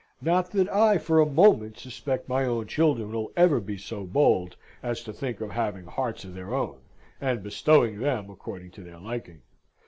Not that I for a moment suspect my own children will ever be so bold as to think of having hearts of their own, and bestowing them according to their liking.